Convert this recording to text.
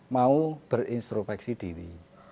mau berintrospeksi diri